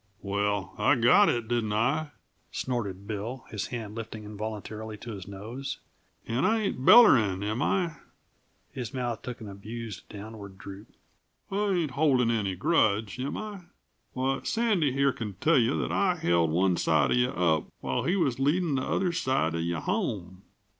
"Well I got it, didn't I?" snorted Bill, his hand lifting involuntarily to his nose. "And I ain't bellering, am I?" His mouth took an abused, downward droop. "I ain't holdin' any grudge, am I? Why, Sandy here can tell you that I held one side of you up whilst he was leadin' the other side of you home!